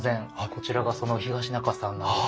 こちらがその東仲さんなんです。